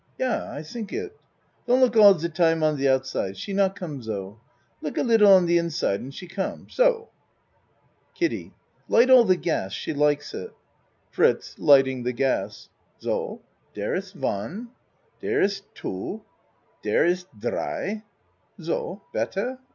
Yah, I tink it. Don't look all de time on de outside. She not come so. Look a lid die on de inside an she come. So. KIDDIE Light all the gas. She likes it. FRITZ (Lighting the gas.) So. Dere iss one dere iss two dere iss dree. So. Better?